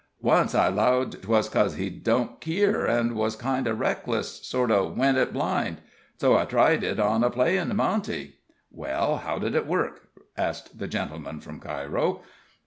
Once I 'llowed 'twas cos he didn't keer, an' was kind o' reckless sort o' went it blind. So I tried it on a playin' monte." "Well, how did it work?" asked the gentleman from Cairo.